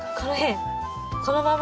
このまま？